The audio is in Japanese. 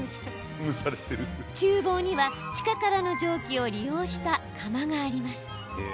ちゅう房には、地下からの蒸気を利用した釜があります。